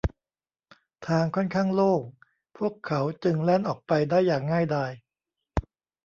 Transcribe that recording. ทางค่อนข้างโล่ง พวกเขาจึงแล่นออกไปได้อย่างง่ายดาย